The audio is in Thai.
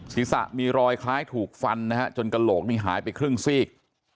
ศีรษะมีรอยคล้ายถูกฟันนะฮะจนกระโหลกนี่หายไปครึ่งซีก